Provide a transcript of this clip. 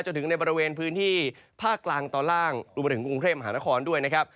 จนถึงในบริเวณพื้นที่ภาคกลางตอนล่างรวมไปถึงกรุงเทพมหานครด้วยนะครับ